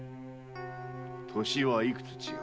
歳はいくつ違う？